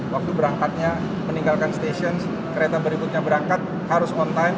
waktu berangkatnya meninggalkan stasiun kereta berikutnya berangkat harus on time